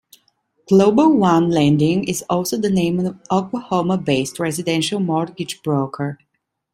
Global One Lending is also the name of an Oklahoma-based residential mortgage broker.